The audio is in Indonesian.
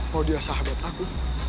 mau dia sahabat aku